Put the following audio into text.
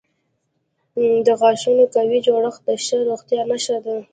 د غاښونو قوي جوړښت د ښه روغتیا نښه ده.